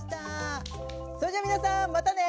それじゃ皆さんまたね！